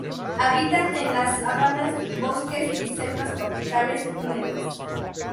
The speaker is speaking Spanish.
Habitan en las sabanas, bosques y selvas tropicales húmedas.